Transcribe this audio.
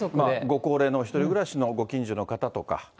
ご高齢の１人暮らしのご近所の方とか。